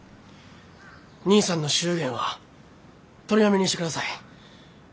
兄さんの祝言は取りやめにしてください。